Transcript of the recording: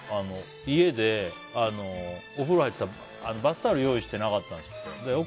家で、お風呂入ってたらバスタオル用意してなかったんですって。